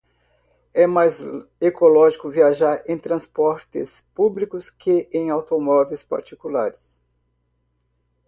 É mais ecológico viajar em transportes públicos que em automóveis particulares.